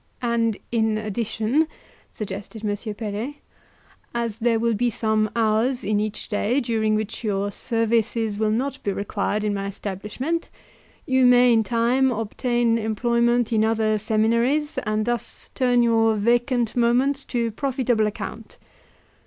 "And in addition," suggested M. Pelet, "as there will be some hours in each day during which your services will not be required in my establishment, you may, in time, obtain employment in other seminaries, and thus turn your vacant moments to profitable account."